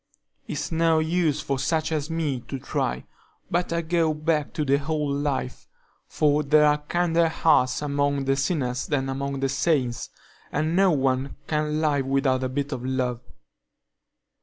"It's no use for such as me to try; better go back to the old life, for there are kinder hearts among the sinners than among the saints, and no one can live without a bit of love.